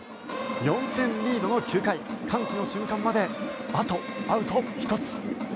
４点リードの９回歓喜の瞬間まであとアウト１つ。